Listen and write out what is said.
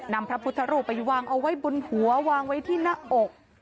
พระพุทธรูปไปวางเอาไว้บนหัววางไว้ที่หน้าอก